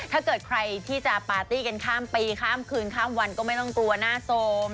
ถ้าเกิดใครที่จะปาร์ตี้กันข้ามปีข้ามคืนข้ามวันก็ไม่ต้องกลัวหน้าโซม